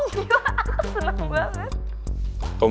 iya aku seneng banget